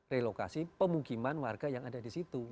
relokasi pemukiman warga yang ada disitu